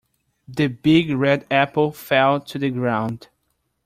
The big red apple fell to the ground.